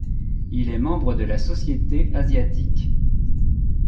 Il est membre de la Société asiatique.